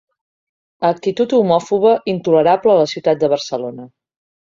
Actitud homòfoba intolerable a la ciutat de Barcelona.